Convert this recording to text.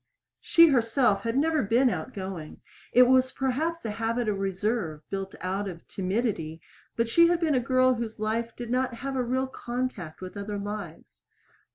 She herself had never been outgoing. It was perhaps a habit of reserve built out of timidity, but she had been a girl whose life did not have a real contact with other lives.